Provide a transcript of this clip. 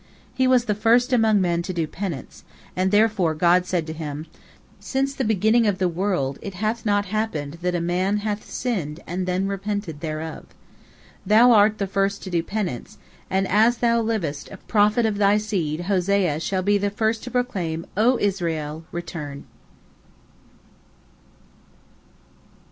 He was the first among men to do penance, and therefore God said to him: "Since the beginning of the world it hath not happened that a man hath sinned and then repented thereof. Thou art the first to do penance, and as thou livest, a prophet of thy seed, Hosea, shall be the first to proclaim, 'O Israel, return.'